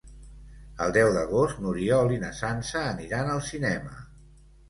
El deu d'agost n'Oriol i na Sança aniran al cinema.